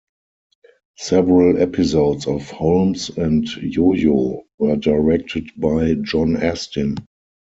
Several episodes of "Holmes and Yoyo" were directed by John Astin".